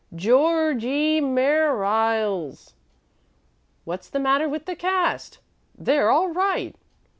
"G e o r g i e M e r r i l e s." "What's the matter with the cast?" "They're all right!"